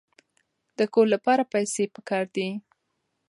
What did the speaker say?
د کور لپاره پیسې پکار دي.